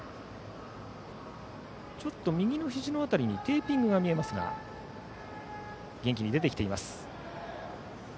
ちょっと右のひじの辺りにテーピングが見えますが元気に出てきています。